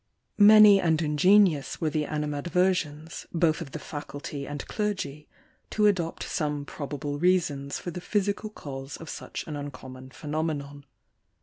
Many and ingenious were the animadversions, both of the faculty and cler gy, to adopt some probable reasons for the physical cause of such an uncommon phenomenon.